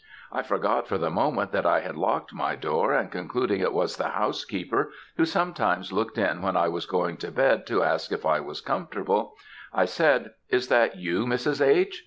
I forgot for the moment that I had locked my door, and concluding it was the housekeeper, who sometimes looked in when I was going to bed, to ask if I was comfortable, I said, 'Is that you, Mrs. H?'